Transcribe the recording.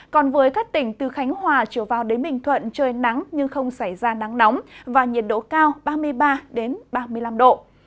còn với các tỉnh từ khánh hòa trở vào đến bình thuận trời nắng nhưng không xảy ra nắng nóng và nhiệt độ cao ba mươi ba ba mươi năm độ